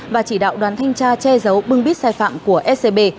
và chỉ đạo đoàn thanh tra che giấu bưng bít sai phạm của scb